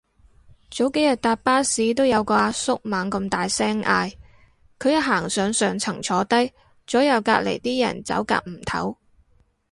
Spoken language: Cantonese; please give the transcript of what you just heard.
早幾日搭巴士都有個阿叔猛咁大聲嗌，佢一行上上層坐低，左右隔離啲人走夾唔唞